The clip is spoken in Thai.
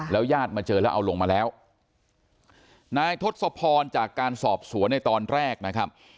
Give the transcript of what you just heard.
ญาติมาเจอแล้วเอาลงมาแล้วนายทศพรจากการสอบสวนในตอนแรกนะครับ